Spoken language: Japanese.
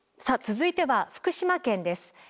さあ続いては福島県です。